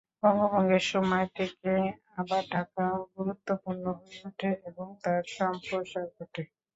বঙ্গভঙ্গের সময় থেকে আবার ঢাকা গুরুত্বপূর্ণ হয়ে ওঠে এবং তার সম্প্রসার ঘটে।